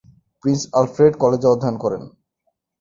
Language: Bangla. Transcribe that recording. প্রিন্স আলফ্রেড কলেজে অধ্যয়ন করেন।